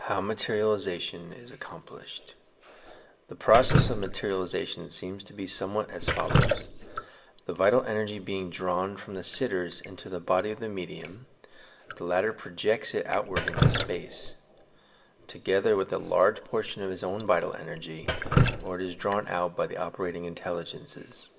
HOW MATERIALIZATION' IS ACCOMPLISHED The process of materialization seems to be somewhat as follows: — The vital energy being drawn from the sit ters into the body of the medium, the latter projects it outward into space, together with a large portion of his own vital energy, or it is drawn out by the operating intelligences.